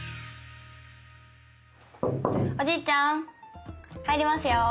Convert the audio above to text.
おじいちゃん入りますよ。